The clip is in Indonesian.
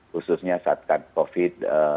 khususnya saat covid sembilan belas